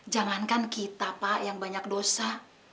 jangankan kita pak yang banyak dosa